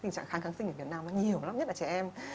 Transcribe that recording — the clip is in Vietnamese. tình trạng kháng sinh ở việt nam là nhiều lắm nhất là trẻ em